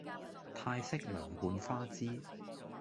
泰式涼拌花枝